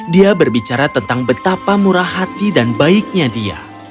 dia berbicara tentang betapa murah hati dan baiknya dia